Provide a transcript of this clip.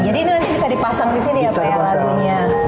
ini nanti bisa dipasang di sini ya pak ya lagunya